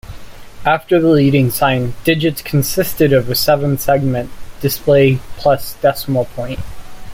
After the leading sign, digits consisted of a seven-segment display plus decimal point.